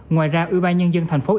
ngoài ra ủy ban nhân dân tp hcm